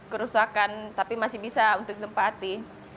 kerusakan tapi masih bisa untuk ditempati